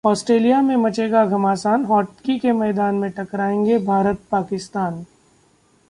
Australia में मचेगा घमासान, हॉकी के मैदान में टकराएंगे भारत-पाकिस्तान